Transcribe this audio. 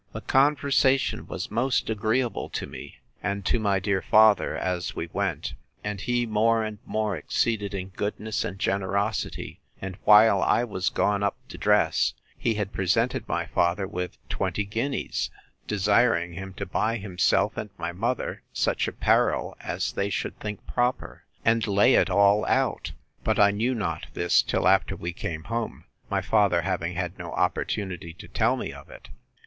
The conversation was most agreeable to me, and to my dear father, as we went; and he more and more exceeded in goodness and generosity; and, while I was gone up to dress, he had presented my father with twenty guineas; desiring him to buy himself and my mother such apparel as they should think proper; and lay it all out: but I knew not this till after we came home; my father having had no opportunity to tell me of it.